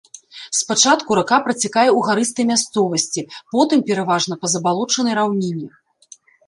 Спачатку рака працякае ў гарыстай мясцовасці, потым пераважна па забалочанай раўніне.